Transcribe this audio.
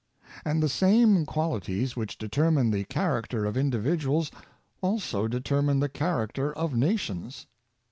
And the same qualities which determine the character of individuals also determine the character of nations.